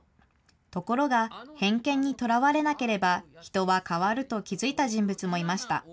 ところが、偏見にとらわれなければ人は変わると気付いた人物もいました。